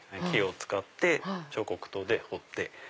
木を使って彫刻刀で彫って。